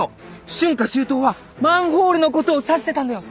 春夏秋冬はマンホールのことを指してたんだよ！